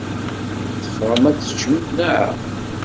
Teffɣem ad teččem, naɣ?